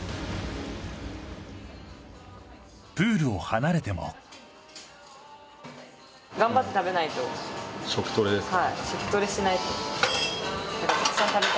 プールを離れても食トレですか？